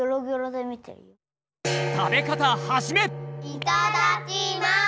いただきます。